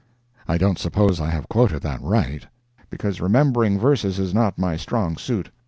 I don't suppose I have quoted that right, because remembering verses is not my strong suit.